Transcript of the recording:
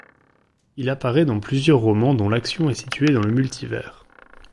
Il apparaît dans plusieurs romans dont l'action est située dans le multivers.